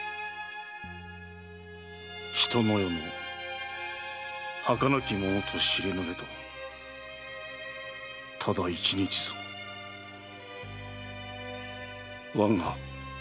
「人の世のはかなきものと知りぬれどただ一日ぞわが恋の旅」！